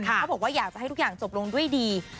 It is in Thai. เขาบอกว่าอยากจะให้ทุกอย่างจบลงด้วยดี